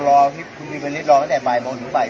สวัสดีครับพี่เบนสวัสดีครับ